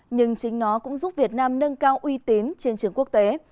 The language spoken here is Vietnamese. nhưng chính nó cũng giúp việt nam nâng cao uy tín trên trường quốc tế